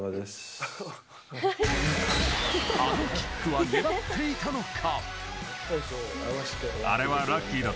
あのキックは狙っていたのか？